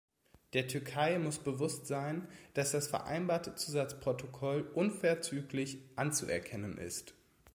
Der Türkei muss bewusst sein, dass das vereinbarte Zusatzprotokoll unverzüglich anzuerkennen ist.